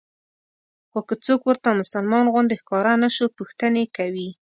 خو که څوک ورته مسلمان غوندې ښکاره نه شو پوښتنې کوي.